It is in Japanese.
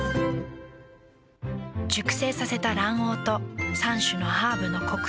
熟成させた卵黄と３種のハーブのコクとうま味。